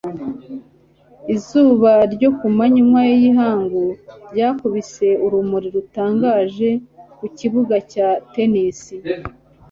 izuba ryo ku manywa y'ihangu ryakubise urumuri rutangaje ku kibuga cya tennis